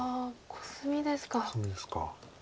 コスミですか。